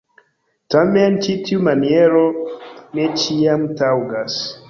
Tamen, ĉi tiu maniero ne ĉiam taŭgas.